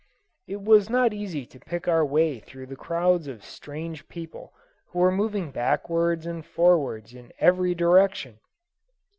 It was not easy to pick our way through the crowds of strange people who were moving backwards and forwards in every direction.